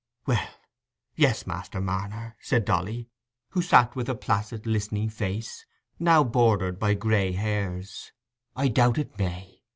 "Well, yes, Master Marner," said Dolly, who sat with a placid listening face, now bordered by grey hairs; "I doubt it may.